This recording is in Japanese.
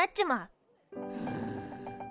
うん。